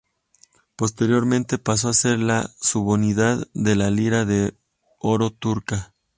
Posteriormente, pasó a ser la subunidad de la lira de oro turca.